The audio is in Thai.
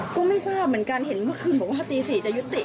ก็ไม่ทราบเหมือนกันเห็นเมื่อคืนบอกว่าตี๔จะยุติ